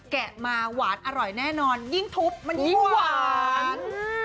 แกะมาหวานอร่อยแน่นอนยิ่งทุบมันยิ่งหวาน